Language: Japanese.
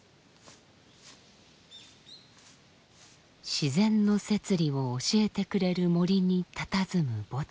自然の摂理を教えてくれる森にたたずむ墓地。